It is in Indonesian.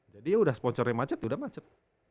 jadi ya udah sponsornya macet udah macet